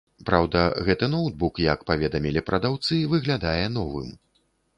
Праўда, гэты ноўтбук, як паведамілі прадаўцы, выглядае новым.